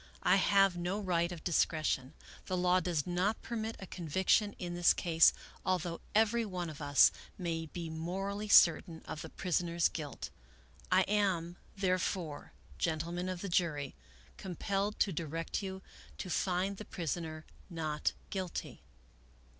I have no right of discretion. The law does not permit a conviction in this case, although every one of us may be morally certain of the prisoner's guilt. I am, therefore, gentlemen of the jury, compelled to direct you to find the prisoner not guilty."